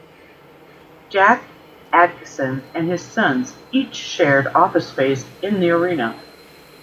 Jack Adkisson and his sons each shared office space in the arena.